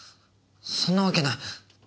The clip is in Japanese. そんなわけない。